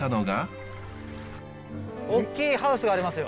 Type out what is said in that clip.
おっきいハウスがありますよ。